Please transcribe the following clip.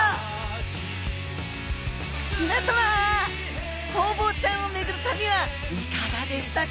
皆さまホウボウちゃんを巡る旅はいかがでしたか？